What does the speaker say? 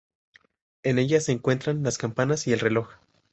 En ella se encuentran las campanas y el reloj.